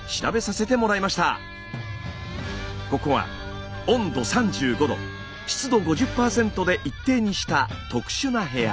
ここは温度３５度湿度５０％で一定にした特殊な部屋。